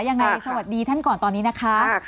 ยังไงสวัสดีท่านก่อนตอนนี้นะคะ